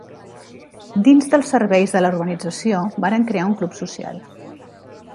Dins dels serveis de la urbanització, varen crear un club social.